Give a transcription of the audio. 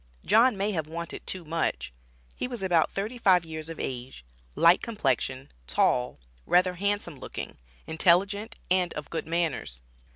John may have wanted too much. He was about thirty five years of age, light complexion tall rather handsome looking, intelligent, and of good manners.